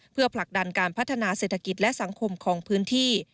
เพื่อผลักดันการพัฒนาเศรษฐกิจและสังคมของพื้นที่